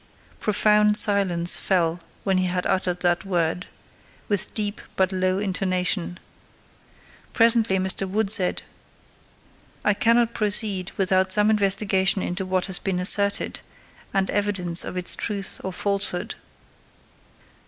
Profound silence fell when he had uttered that word, with deep but low intonation. Presently Mr. Wood said— "I cannot proceed without some investigation into what has been asserted, and evidence of its truth or falsehood."